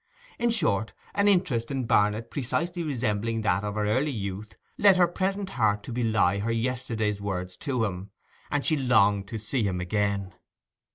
In short, an interest in Barnet precisely resembling that of her early youth led her present heart to belie her yesterday's words to him, and she longed to see him again.